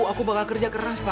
aku bakal kerja keras pak